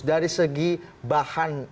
dari segi bahan